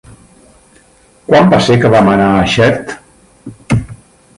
Quan va ser que vam anar a Xert?